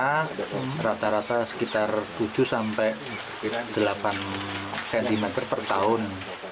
karena rata rata sekitar tujuh sampai delapan cm per tahun